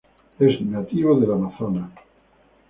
Es nativo del Amazonas.